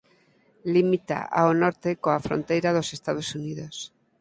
Limita ao norte coa fronteira dos Estados Unidos.